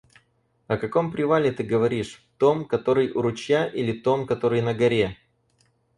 О каком привале ты говоришь: том, который у ручья или том, который на горе?